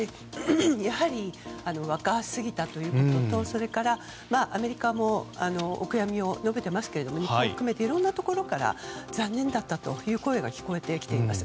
やはり若すぎたということとそれからアメリカもお悔やみを述べていますが日本を含めていろんなところから残念だったという声が聞こえてきています。